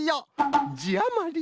じあまり。